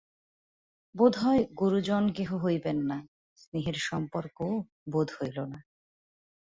বোধ হয় গুরুজন কেহ হইবেন না, স্নেহের সম্পর্কও বোধ হইল না।